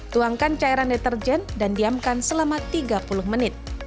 tuangkan cairan deterjen dan diamkan selama tiga puluh menit